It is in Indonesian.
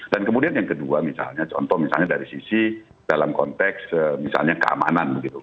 dan kemudian yang kedua misalnya contoh misalnya dari sisi dalam konteks misalnya keamanan begitu